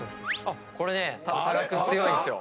これね木君強いですよ。